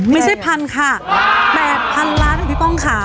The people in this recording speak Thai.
ไม่ใช่๑คแต่๘พันล้านบาทริป้องขา